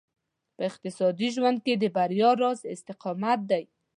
په اقتصادي ژوند کې د بريا راز استقامت دی.